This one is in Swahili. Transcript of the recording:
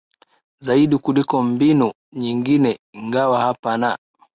zaidi kuliko mbinu nyingine ingawa hapa na